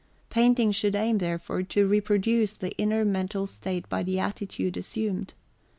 Painting should aim, therefore, to reproduce the inner mental state by the attitude assumed.